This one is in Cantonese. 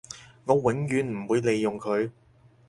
我永遠唔會利用佢